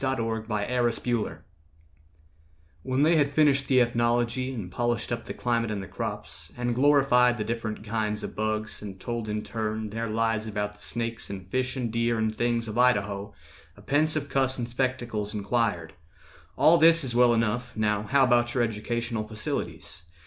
A TALE OF IDAHO When they had finished the ethnology, And polished up the climate and the crops, And glorified the different kinds of bugs, And told in turn their lies about the snakes, And fish and deer and things, of Idaho, A pensive cuss in spectacles inquired, "All this is well enough; now how about Your educational facilities?